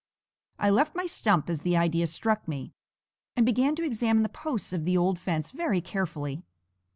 I left my stump as the idea struck me, and began to examine the posts of the old fence very carefully.